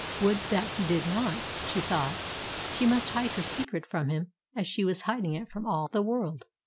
Would that he did not, she thought. She must hide her secret from him as she was hiding it from all the world.